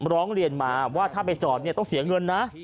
ร้องเรียนมาว่าถ้าไปจอดเนี่ยต้องเสียเงินนะ